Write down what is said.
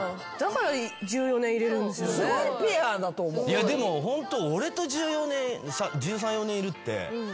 いやでもホント。